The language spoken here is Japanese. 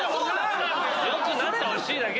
良くなってほしいだけ。